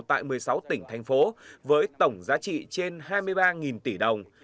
tại một mươi sáu tỉnh thành phố với tổng giá trị trên hai mươi ba tỷ đồng